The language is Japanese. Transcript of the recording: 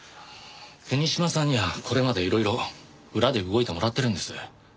国島さんにはこれまでいろいろ裏で動いてもらってるんです。